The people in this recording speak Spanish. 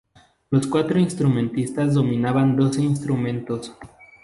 Los cuatro instrumentistas dominaban doce instrumentos.